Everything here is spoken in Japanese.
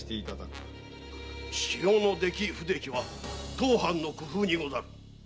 塩の出来不出来は当藩の工夫にござる。